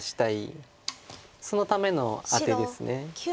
そのためのアテです。